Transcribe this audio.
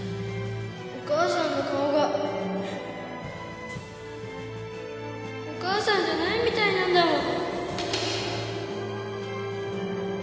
お母さんの顔がお母さんじゃないみたいなんだもん